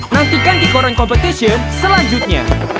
nantikan kikoran competition selanjutnya